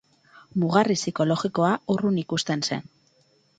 Mugarri psikologikoa urrun ikusten zen.